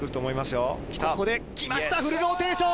ここで、きましたフルローテーション！